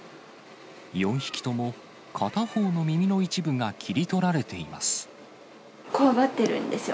４匹とも片方の耳の一部が切り取られています。